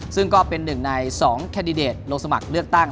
ซึ่งก็เป็นหนึ่งใน๒แคนดิเดตลงสมัครเลือกตั้ง